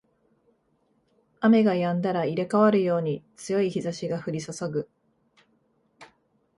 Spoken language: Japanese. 雨が止んだら入れ替わるように強い日差しが降りそそぐ